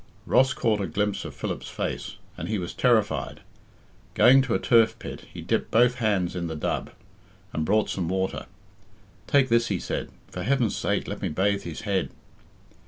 Ross caught a glimpse of Philip's face, and he was terrified. Going to a turf pit, he dipped both hands in the dub, and brought some water. "Take this," he said, "for Heaven's sake let me bathe his head."